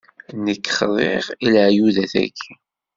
Nekk xḍiɣ i leɛyudat-agi.